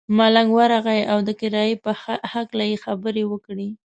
ملنګ ورغئ او د کرایې په هکله یې خبرې وکړې.